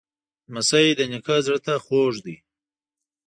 لمسی د نیکه زړه ته خوږ دی.